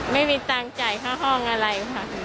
ไม่มีตามมีข้อใจเข้าห้องอะไร